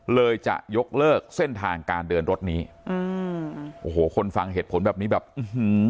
เลยจะยกเลิกเส้นทางการเดินรถนี้อืมโอ้โหคนฟังเหตุผลแบบนี้แบบอื้อหือ